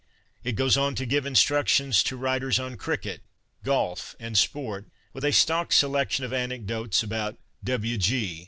It goes on to give instruc tions to writers on cricket, golf, and sport, with a stock selection of anecdotes about " W.G."